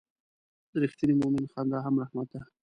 د رښتیني مؤمن خندا هم رحمت ده.